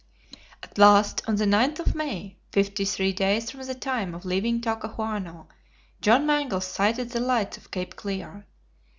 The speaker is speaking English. At last on the 9th of May, fifty three days from the time of leaving Talcahuano, John Mangles sighted the lights of Cape Clear.